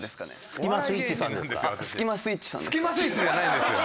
スキマスイッチじゃないんですよ。